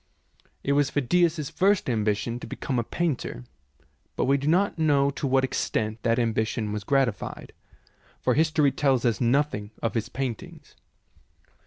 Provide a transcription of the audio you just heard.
It was Phidias's first ambition to become a painter, but we do not know to what extent that ambition was gratified, for history tells us nothing of his paintings.